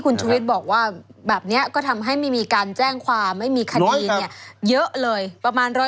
คุณชุวิตบอกว่าแบบนี้ก็ทำให้ไม่มีการแจ้งความไม่มีคดีเนี่ยเยอะเลยประมาณ๑๐๐